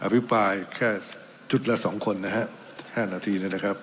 อภิกษ์ปลายแค่จุดละ๒คน๕นาที